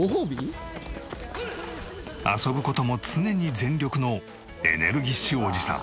遊ぶ事も常に全力のエネルギッシュおじさん。